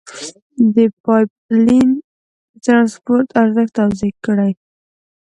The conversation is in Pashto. د پایپ لین د ترانسپورت ارزښت توضیع کړئ.